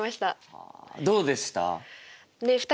どうでした？